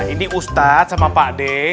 ini ustadz sama pak d